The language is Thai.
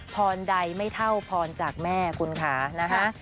พรใดไม่เท่าพรจากแม่คุณค่ะนะฮะ